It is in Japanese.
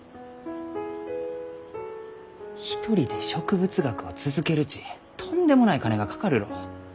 一人で植物学を続けるちとんでもない金がかかるろう。